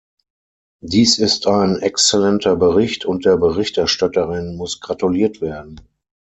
Dies ist ein exzellenter Bericht und der Berichterstatterin muss gratuliert werden.